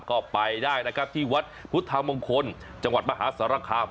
ก็ไปได้ที่วัดพุทธธรรมคลจังหวัดมหาสารคาม